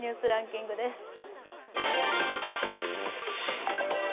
続いては「ニュースランキング」です。